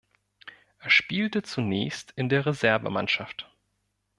Er spielte zunächst in der Reservemannschaft.